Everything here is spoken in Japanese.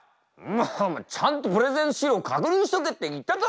お前ちゃんとプレゼン資料確認しとけって言っただろ！